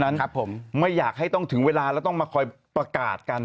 ครับผมไม่อยากให้ต้องถึงเวลาแล้วต้องมาคอยประกาศกัน